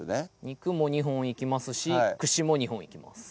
肉も２本いきますし串も２本いきます